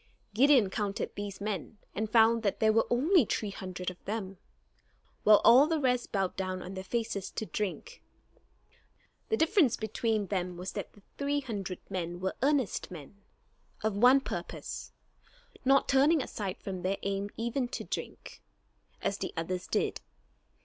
Gideon counted these men, and found that there were only three hundred of them, while all the rest bowed down on their faces to drink. The difference between them was that the three hundred were earnest men, of one purpose; not turning aside from their aim even to drink, as the others did.